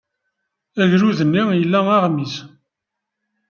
Agrud-nni ila aɣmis.